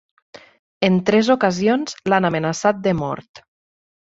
En tres ocasions l'han amenaçat de mort.